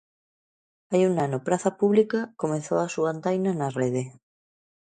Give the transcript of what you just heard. Hai un ano Praza Pública comezou a súa andaina na Rede.